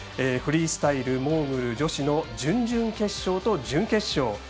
フリースタイルモーグル女子の準々決勝と準決勝。